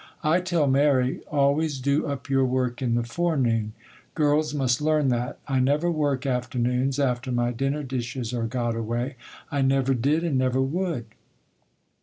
I tell Mary,—"Always do up your work in the forenoon." Girls must learn that. I never work afternoons, after my dinner dishes are got away; I never did and never would.